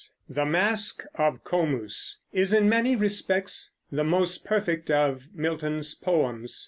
The "Masque of Comus" is in many respects the most perfect of Milton's poems.